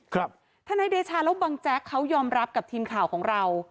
ทนายเดชาแล้วบังแจ๊กเขายอมรับกับทีมข่าวของเรา